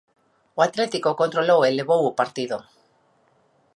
O Atlético controlou e levou o partido.